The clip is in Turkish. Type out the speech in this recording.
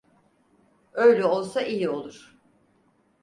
Öyle olsa iyi olur.